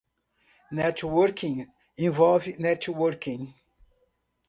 Networking envolve networking.